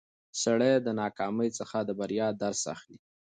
سړی د ناکامۍ څخه د بریا درس اخلي